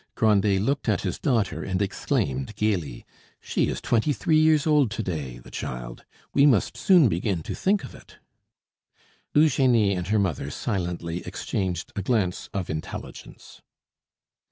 Grandet looked at his daughter and exclaimed gaily, "She is twenty three years old to day, the child; we must soon begin to think of it." Eugenie and her mother silently exchanged a glance of intelligence.